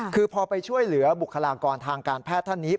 คือพอไปช่วยเหลือบุคลากรทางการแพทย์ท่านนี้